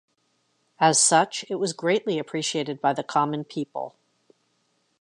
As such, it was greatly appreciated by the common people.